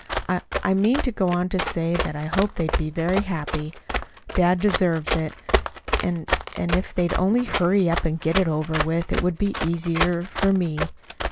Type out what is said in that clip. "I I meant to go on to say that I hoped they'd be very happy. Dad deserves it; and and if they'd only hurry up and get it over with, it it would be easier for me.